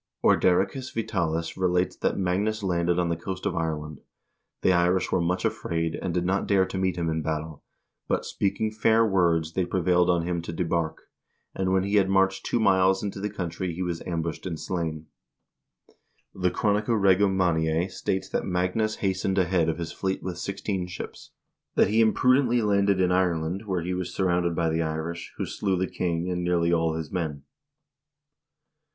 Ordericus Vitalis relates that Magnus landed on the coast of Ireland. The Irish were much afraid, and did not dare to meet him in battle, but, speaking fair words, they prevailed on him to debark, and when he had marched two miles into the country he was ambushed and slain.2 The " Chronica Regum Manniae " states that Magnus hastened ahead of his fleet with sixteen ships ; that he imprudently landed in Ireland, where he was sur rounded by the Irish, who slew the king and nearly all his men.